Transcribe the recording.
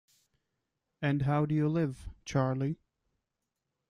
And how do you live, Charley?